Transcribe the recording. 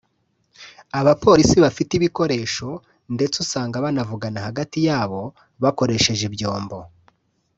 abapolisi bafite ibikoresho ndetse usanga banavugana hagati yabo bakoresheje ibyombo